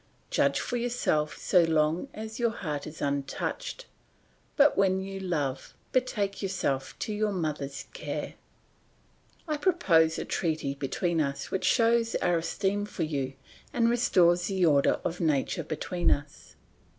Judge for yourself so long as your heart is untouched, but when you love betake yourself to your mother's care. "I propose a treaty between us which shows our esteem for you, and restores the order of nature between us.